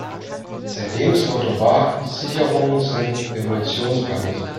Sein Lebensmotto war: Sicherungen sind Evolutionsbremsen.